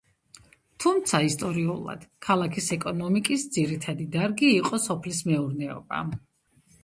თუმცა, ისტორიულად ქალაქის ეკონომიკის ძირითადი დარგი იყო სოფლის მეურნეობა.